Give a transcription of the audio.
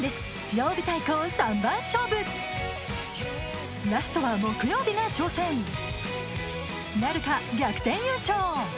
曜日対抗三番勝負ラストは木曜日が挑戦なるか⁉逆転優勝！